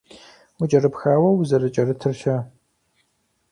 УкӀэрыпхауэ узэрыкӀэрытыр-щэ?